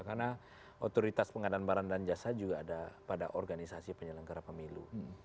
karena otoritas pengadaan barang dan jasa juga ada pada organisasi penyelenggara pemilu